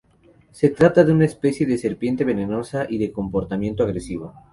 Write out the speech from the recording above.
Se trata de una especie de serpiente venenosa, y de comportamiento agresivo.